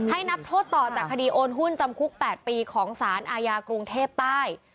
นับโทษต่อจากคดีโอนหุ้นจำคุก๘ปีของสารอาญากรุงเทพใต้